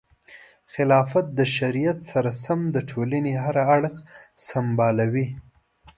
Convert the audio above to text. خلافت د شریعت سره سم د ټولنې هر اړخ سمبالوي.